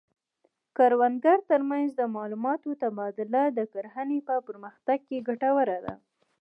د کروندګرو ترمنځ د معلوماتو تبادله د کرنې په پرمختګ کې ګټوره ده.